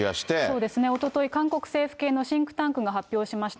そうですね、おととい、韓国政府系のシンクタンクが発表しました。